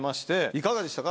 いかがでしたか？